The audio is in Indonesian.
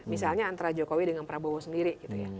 misalnya antara jokowi dengan prabowo sendiri